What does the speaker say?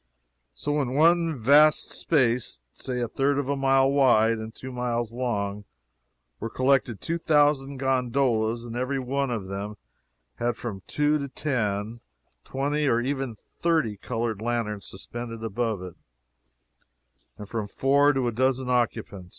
So in one vast space say a third of a mile wide and two miles long were collected two thousand gondolas, and every one of them had from two to ten, twenty and even thirty colored lanterns suspended about it, and from four to a dozen occupants.